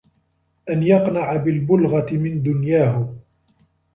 أَنْ يَقْنَعَ بِالْبُلْغَةِ مِنْ دُنْيَاهُ